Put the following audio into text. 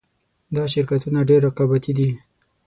دا شرکتونه ډېر رقابتي دي